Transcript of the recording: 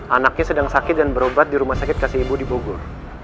anaknya sedang sakit dan berobat di rumah sakit kasih ibu di bogor